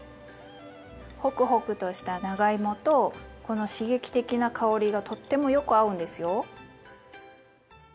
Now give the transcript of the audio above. ホクホクとした長芋とこの刺激的な香りがとってもよく合うんですよ。